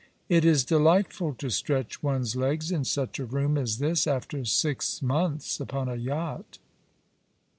" It is delightful to stretch one's legs in such a room as this, after six months upon a yacht."